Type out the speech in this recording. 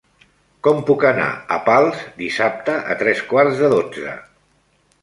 Com puc anar a Pals dissabte a tres quarts de dotze?